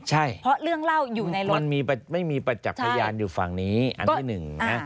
ใช่เพราะเรื่องเล่าอยู่ในรถมันมีไม่มีประจักษ์พยานอยู่ฝั่งนี้อันที่หนึ่งนะ